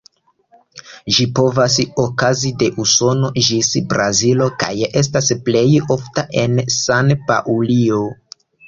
Ĝi povas okazi de Usono ĝis Brazilo kaj estas plej ofta en San-Paŭlio.